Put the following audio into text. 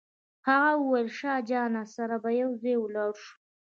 هغه وویل له شاه جان سره به یو ځای ولاړ شو.